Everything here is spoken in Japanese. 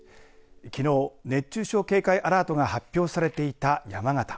きのう、熱中症警戒アラートが発表されていた山形。